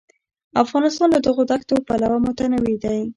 افغانستان له دغو دښتو پلوه متنوع دی.